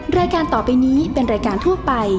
แม่บ้านประจันบรรย์